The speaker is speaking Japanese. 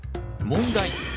問題。